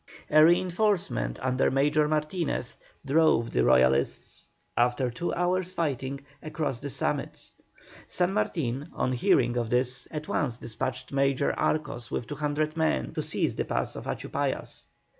A reinforcement under Major Martinez drove the Royalists, after two hours' fighting, across the summit. San Martin, on hearing of this, at once despatched Major Arcos with 200 men to seize the pass of Achupallas.